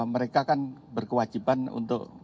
mereka kan berkewajiban untuk